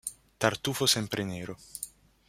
Tartufo sempre nero.